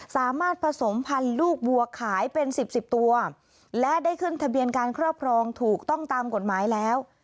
สามารถผสมพันธุ์ลูกวัวขายเป็นสิบสิบตัวและได้ขึ้นทะเบียนการครอบครองถูกต้องตามกฎหมายแล้ว